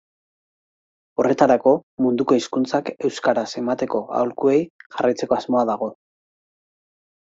Horretarako, munduko hizkuntzak euskaraz emateko aholkuei jarraitzeko asmoa dago.